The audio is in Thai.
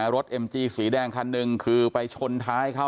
เอ็มจีสีแดงคันหนึ่งคือไปชนท้ายเขา